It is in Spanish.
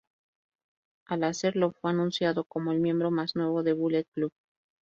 Al hacerlo, fue anunciado como el miembro más nuevo de Bullet Club.